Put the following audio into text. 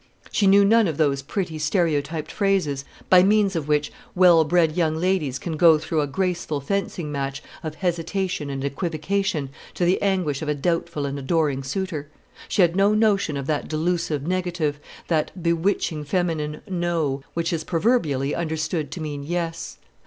She knew none of those pretty stereotyped phrases, by means of which well bred young ladies can go through a graceful fencing match of hesitation and equivocation, to the anguish of a doubtful and adoring suitor. She had no notion of that delusive negative, that bewitching feminine "no," which is proverbially understood to mean "yes."